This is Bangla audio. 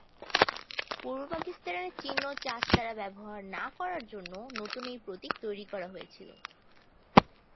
পূর্ব পাকিস্তানের চিহ্ন চাঁদ তারা ব্যবহার না করার জন্য নতুন এই প্রতীক তৈরী করা হয়েছিল।